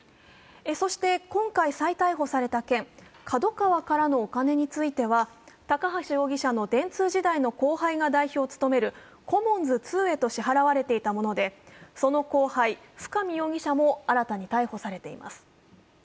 そして今回、再逮捕された件、ＫＡＤＯＫＡＷＡからのお金については高橋容疑者の電通時代の後輩が代表を務めるコモンズ２へと支払われていたもので、その後輩、深見容疑者も新たに逮捕されています。